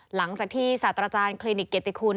หลังจากที่ศาสตราจารย์คลินิกเกียรติคุณ